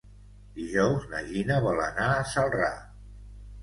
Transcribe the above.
Dijous na Gina vol anar a Celrà.